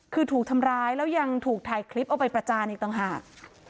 คือถูกทำร้ายแล้วยังถูกถ่ายคลิปเอาไปประจานอีกต่างหาก